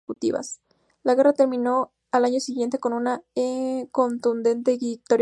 La guerra terminó al año siguiente con una contundente victoria romana.